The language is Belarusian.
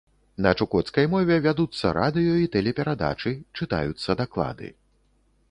На чукоцкай мове вядуцца радыё-і тэлеперадачы, чытаюцца даклады.